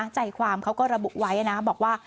ใจความเขาก็ระบุไว้นะบอกว่า